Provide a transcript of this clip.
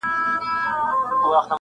اوس د شپې نکلونه دي پېیلي په اغزیو!.